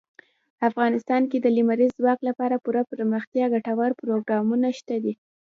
افغانستان کې د لمریز ځواک لپاره پوره دپرمختیا ګټور پروګرامونه شته دي.